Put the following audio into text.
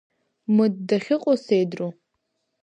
Мыд дахьыҟоу сеидроу!